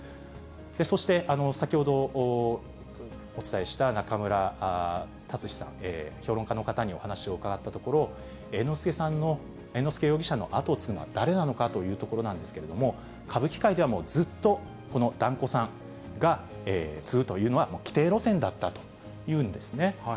そして先ほど、お伝えした中村達史さん、評論家の方にお話を伺ったところ、猿之助容疑者の後を継ぐのは誰なのかという所なんですけれども、歌舞伎界ではもうずっと、この團子さんが継ぐというのは、既定路線だったというんですね。